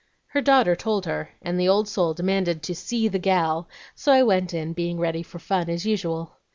Her daughter told her, and the old soul demanded to 'see the gal;' so I went in, being ready for fun as usual.